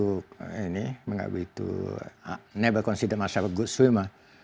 tidak pernah menganggap itu sebuah penerbangan yang baik